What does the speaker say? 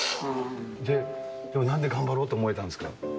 で、でもなんで頑張ろうと思えたんですか？